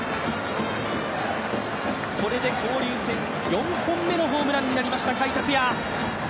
これで交流戦、４本目のホームランになりました、甲斐拓也。